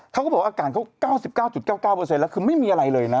เขาก็บอกว่าอาการเขา๙๙๙๙๙แล้วคือไม่มีอะไรเลยนะ